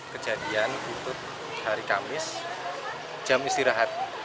kejadian itu hari kamis jam istirahat